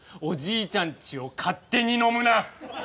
おじいちゃんちを勝手に飲むな！